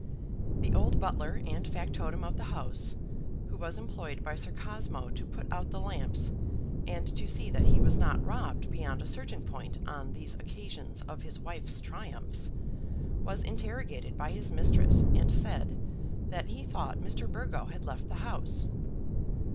The old butler and factotum of the house, who was employed by Sir Cosmo to put out the lamps and to see that he was not robbed beyond a certain point on these occasions of his wife's triumphs, was interrogated by his mistress, and said that he thought Mr. Burgo had left the house.